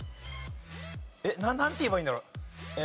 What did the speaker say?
えっなんて言えばいいんだろう？